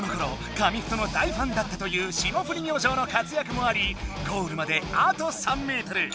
紙フトの大ファンだったという霜降り明星の活躍もありゴールまであと３メートル。